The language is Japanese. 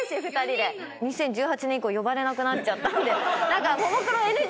２０１８年以降呼ばれなくなっちゃったんで。